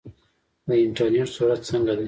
د انټرنیټ سرعت څنګه دی؟